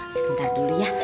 sebentar dulu ya